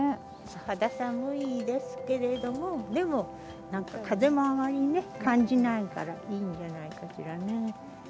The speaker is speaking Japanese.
肌寒いですけれども、でも風もあまりね、感じないからいいんじゃないかしらね。